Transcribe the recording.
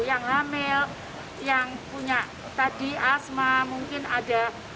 yang hamil yang punya tadi asma mungkin ada